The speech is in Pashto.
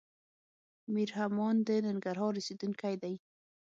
ميررحمان د ننګرهار اوسيدونکی دی.